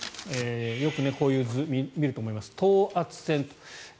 よくこういう図を見ると思います、等圧線。